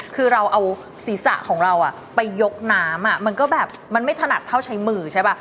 คือเราเอาศีรษะของเราไปยกน้ำมันก็แบบมันไม่ถนัดเท่าใช้มือใช่ป่ะ